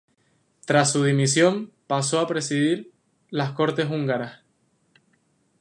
Tras su dimisión, pasó a presidir las Cortes húngaras.